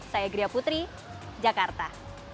saya gria putri jakarta